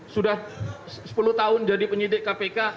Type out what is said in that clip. sudah sepuluh tahun jadi penyidik kpk